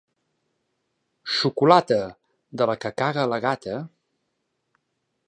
Xocolata! —De la que caga la gata?